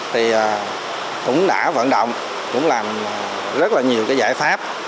thì cũng đã vận động cũng làm rất là nhiều cái giải pháp